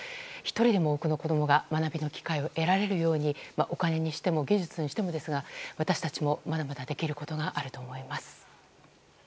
１人でも多くの子供が学びの機会を得られるようにお金にしても技術にしてもですが私たちもまだまだできることがあると思います。